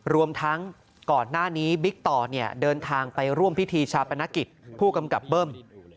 รวมทั้งก่อนหน้านี้บิ๊กต่อเดินทางไปร่วมพิธีชาปนกิจผู้กำกับเบิ้ม